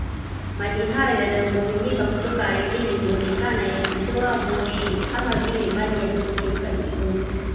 Maji hayo yanayobubujika kutoka ardhini huonekana yakitoa moshi kama vile maji yanayochemka jikoni